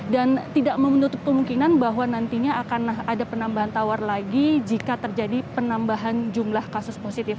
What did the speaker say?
dan tidak membutuhkan kemungkinan bahwa nantinya akan ada penambahan tower lagi jika terjadi penambahan jumlah kasus positif